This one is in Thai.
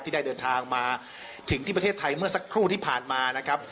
ได้เดินทางมาถึงที่ประเทศไทยเมื่อสักครู่ที่ผ่านมานะครับ